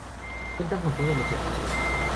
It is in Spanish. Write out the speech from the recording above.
Cuentan con todos los servicios.